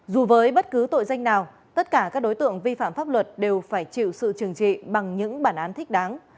dù với bất cứ tội danh nào tất cả các đối tượng vi phạm pháp luật đều phải chịu sự trừng trị bằng những bản án thích đáng